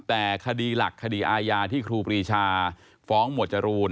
แต่คดีหลักคดีอาญาที่ครูปรีชาฟ้องหมวดจรูน